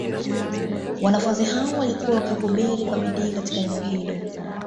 Wanafunzi hao walikuwa wakihubiri kwa bidii katika eneo hilo